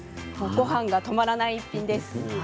ごはんが止まらない一品です。